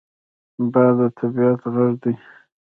باد د طبعیت غږ دی